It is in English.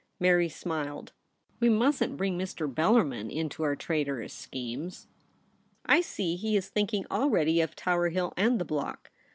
Mary smiled. ' We mustn't bring Mr. Bellarmin into our traitorous schemes. I see he is thinkinof already of Tower Hill and the block.'